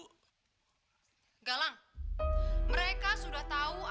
hai galang mereka sudah tahuuuu